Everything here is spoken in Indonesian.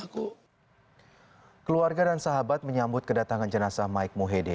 keluarga dan sahabat menyambut kedatangan jenazah mike mohede